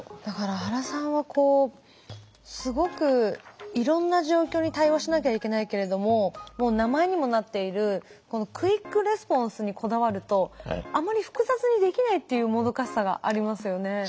だから原さんはすごくいろんな状況に対応しなきゃいけないけれども名前にもなっているこのクイックレスポンスにこだわるとあまり複雑にできないっていうもどかしさがありますよね。